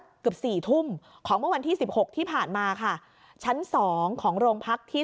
ประมาณกับ๔ทุ่มของเมื่อวันที่๑๖ที่ผ่านมาค่ะชั้น๒ของโรงพักษณ์ที่